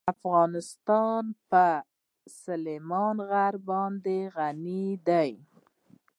افغانستان په سلیمان غر باندې غني دی.